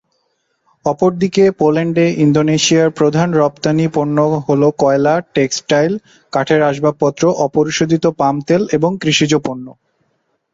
অপরদিকে, পোল্যান্ডে, ইন্দোনেশিয়ার প্রধান রপ্তানি পণ্য হল কয়লা, টেক্সটাইল, কাঠের আসবাবপত্র, অপরিশোধিত পাম তেল এবং কৃষিজ পণ্য।